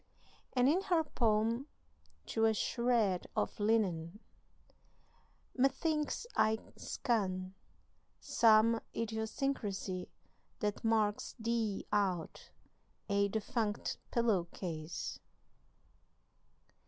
And in her poem "To a Shred of Linen": "Methinks I scan Some idiosyncrasy that marks thee out A defunct pillow case."